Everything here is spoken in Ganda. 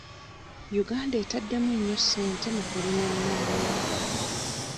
Uganda etaddemu nnyo ssente mu kulima emmwanyi.